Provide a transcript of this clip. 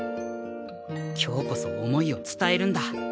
今日こそ思いを伝えるんだ。